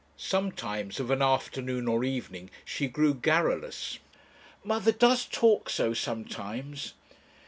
Sometimes of an afternoon or evening she grew garrulous. "Mother does talk so sometimes."